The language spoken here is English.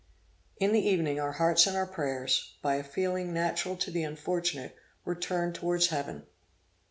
In the evening, our hearts and our prayers, by a feeling natural to the unfortunate, were turned towards Heaven.